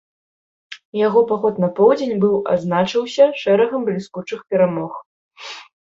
Яго паход на поўдзень быў адзначыўся шэрагам бліскучых перамог.